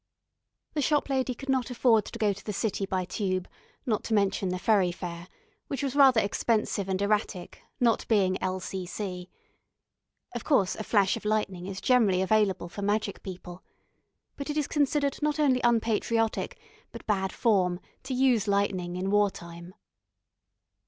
The shop lady could not afford to go to the City by Tube, not to mention the ferry fare, which was rather expensive and erratic, not being L.C.C. Of course a flash of lightning is generally available for magic people. But it is considered not only unpatriotic but bad form to use lightning in war time.